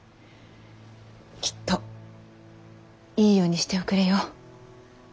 きっといい世にしておくれよ。